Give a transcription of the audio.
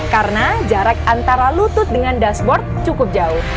karena jarak antara lutut dengan dashboard cukup